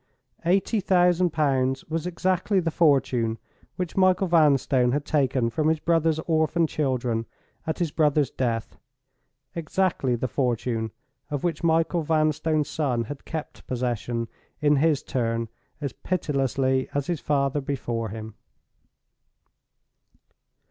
Eighty thousand pounds was exactly the fortune which Michael Vanstone had taken from his brother's orphan children at his brother's death—exactly the fortune of which Michael Vanstone's son had kept possession, in his turn, as pitilessly as his father before him.